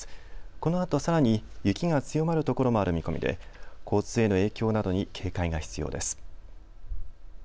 このあとさらに雪が強まるところもある見込みで交通への影響などに警戒が必要です。